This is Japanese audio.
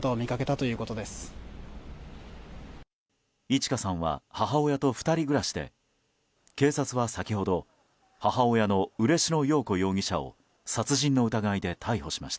いち花さんは母親と２人暮らしで警察は先ほど母親の嬉野陽子容疑者を殺人の疑いで逮捕しました。